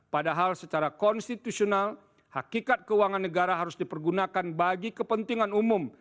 padahal secara konstitusional hakikat keuangan negara harus dipergunakan bagi kepentingan umum